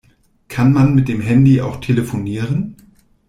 Kann man mit dem Handy auch telefonieren?